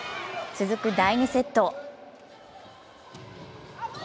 続く第２セット。